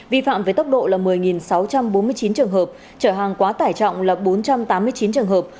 vi phạm với tốc độ là một mươi sáu trăm bốn mươi chín trường hợp trở hàng quá tải trọng là bốn trăm tám mươi chín trường hợp